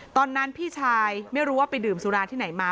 พี่ชายไม่รู้ว่าไปดื่มสุราที่ไหนมา